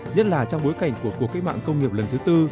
nhất là trong bối cảnh của cuộc kế mạng công nghiệp lần thứ bốn